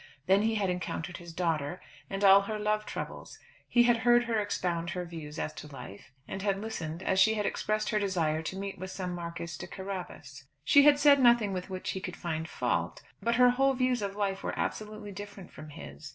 Then he had encountered his daughter, and all her love troubles. He had heard her expound her views as to life, and had listened as she had expressed her desire to meet with some Marquis de Carabas. She had said nothing with which he could find fault; but her whole views of life were absolutely different from his.